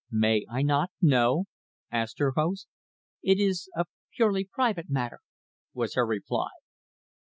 "May I not know?" asked her host. "It is a purely private matter," was her reply.